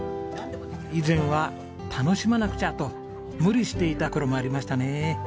以前は「楽しまなくちゃ」と無理していた頃もありましたね。